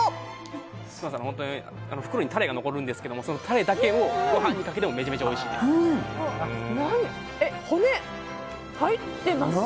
袋にタレが残るんですけどそのタレだけをご飯にかけてもめちゃめちゃおいしいです。